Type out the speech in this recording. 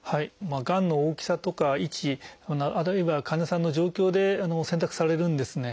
がんの大きさとか位置あるいは患者さんの状況で選択されるんですね。